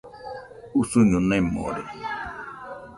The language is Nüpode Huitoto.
Usuño nemore.